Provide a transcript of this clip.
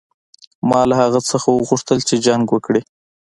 ما له هغه څخه وغوښتل چې جنګ وکړي.